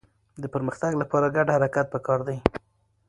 د پرمختګ لپاره ګډ حرکت پکار دی.